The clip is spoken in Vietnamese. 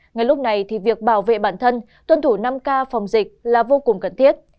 ngay lúc này thì việc bảo vệ bản thân tuân thủ năm k phòng dịch là vô cùng cần thiết